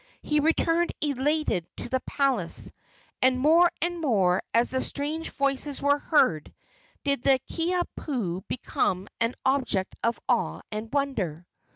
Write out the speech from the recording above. He returned elated to the palace, and more and more, as its strange voices were heard, did the Kiha pu become an object of awe and wonder.